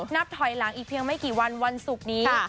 นับถอยหลังอีกเพียงไม่กี่วันวันศุกร์นี้